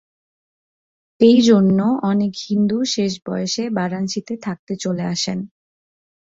এই জন্য অনেক হিন্দু শেষ বয়সে বারাণসীতে থাকতে চলে আসেন।